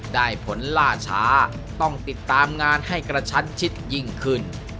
ได้ผลล่าช้าต้องติดตามงานให้กระชั้นชิดยิ่งขึ้น